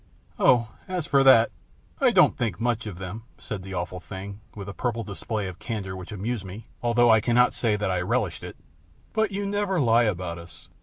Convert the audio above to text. "Oh, as for that, I don't think much of them," said the Awful Thing, with a purple display of candor which amused me, although I cannot say that I relished it; "but you never lie about us.